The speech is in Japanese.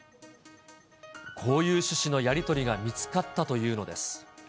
こういう趣旨のやり取りが見つかったというのです。